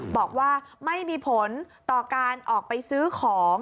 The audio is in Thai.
บอกว่าไม่มีผลต่อการออกไปซื้อของ